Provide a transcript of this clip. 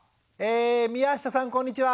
宮下さんこんにちは！